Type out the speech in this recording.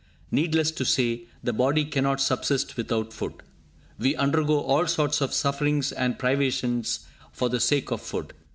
Needless to say, the body cannot subsist without food. We undergo all sorts of sufferings and privations for the sake of food.